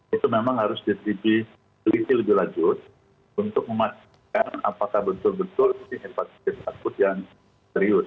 itu memang harus diteliti lebih lanjut untuk memastikan apakah betul betul ini hepatitis akut yang serius